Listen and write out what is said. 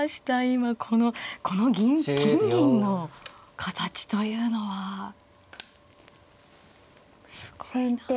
今このこの銀金銀の形というのは。すごいな。